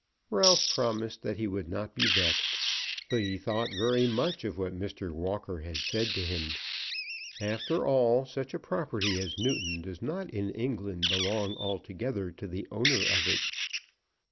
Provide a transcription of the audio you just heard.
Ralph promised that he would not be vexed, but he thought very much of what Mr. Walker had said to him. After all, such a property as Newton does not in England belong altogether to the owner of it.